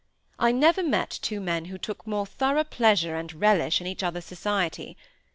I never met two men who took more thorough pleasure and relish in each other's society.